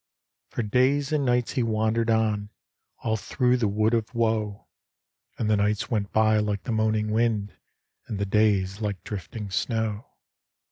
For days and nights he wandered on All through the Wood of Woe; And the nights went by like the moaning wind And the days like drifting snow.